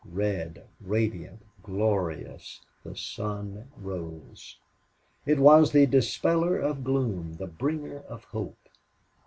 Red, radiant, glorious, the sun rose. It was the dispeller of gloom, the bringer of hope.